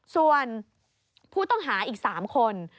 ส่วนผู้ต้องหาอีก๓คน